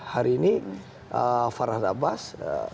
hari ini farah dabas